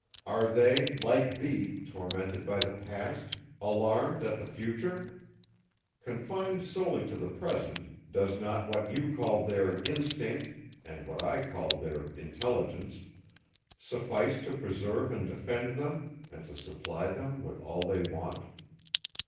Are they, like thee, tormented by the past, alarmed at the future? Confined solely to the present, does not what you call their instinct, and what I call their intelligence, suffice to preserve and defend them, and to supply them with all they want?